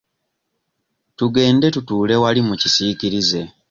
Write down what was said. Tugende tutuule wali mu kasiikirize.